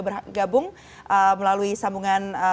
bergabung melalui sambungan